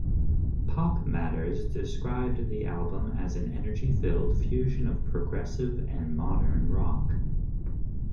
PopMatters described the album as an energy-filled fusion of progressive and modern rock.